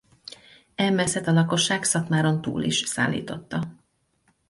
E meszet a lakosság Szatmáron túl is szállította.